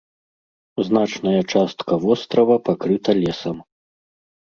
Значная частка вострава пакрыта лесам.